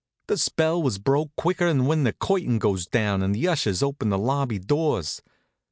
The spell was broke quicker'n when the curtain goes down and the ushers open the lobby doors.